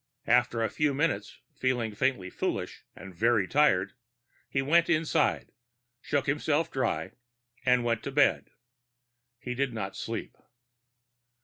After a few minutes, feeling faintly foolish and very tired, he went inside, shook himself dry, and went to bed. He did not sleep.